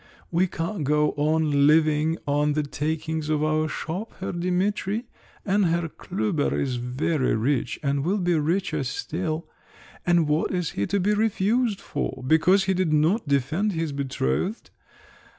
"We can't go on living on the takings of our shop, Herr Dimitri! and Herr Klüber is very rich, and will be richer still. And what is he to be refused for? Because he did not defend his betrothed?